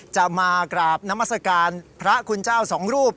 จะมากราบนามัศกาลพระคุณเจ้าสองรูป